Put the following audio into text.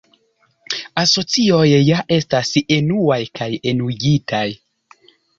Asocioj ja estas enuaj kaj enuigaj.